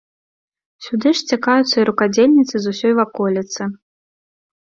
Сюды ж сцякаюцца і рукадзельніцы з усёй ваколіцы.